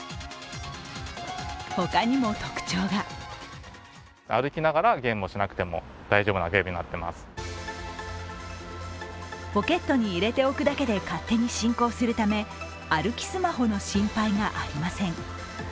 ほかにも特徴がポケットに入れておくだけで勝手に進行するため歩きスマホの心配がありません。